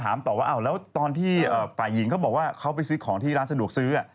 เพราะตอนที่ป่ายหญิงเขาบอกว่าเขาไปซื้อของที่ร้านสะดวกซื้อ